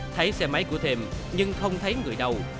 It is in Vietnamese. thấy xe máy của thềm nhưng không thấy người đầu